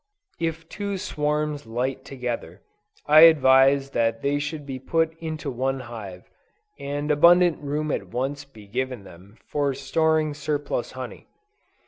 If two swarms light together, I advise that they should be put into one hive, and abundant room at once be given them, for storing surplus honey.